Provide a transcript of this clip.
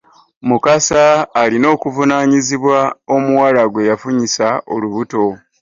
Mukasa alina okuvunaanyizibwa omuwala gweyafunyisa olubuto .